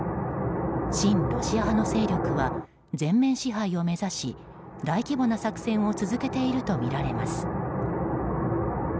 親ロシア派の勢力は全面支配を目指し大規模な作戦を続けているとみられます。